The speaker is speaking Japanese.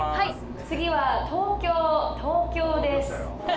「次は東京東京です」。